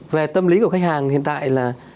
về tâm lý của khách hàng hiện tại là